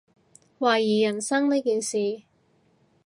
懷疑人生呢件事